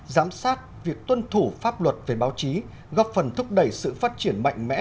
giám sát việc tuân thủ pháp luật về báo chí góp phần thúc đẩy sự phát triển mạnh mẽ